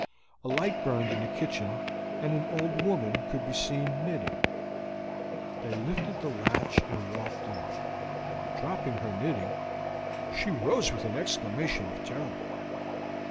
A light burned in the kitchen, and an old woman could be seen knitting. They lifted the latch and walked in. Dropping her knitting, she rose with an exclamation of terror.